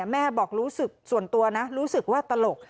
แม่บอกรู้สึกส่วนตัวนะรู้สึกว่าตลก